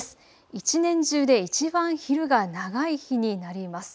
一年中でいちばん昼が長い日になります。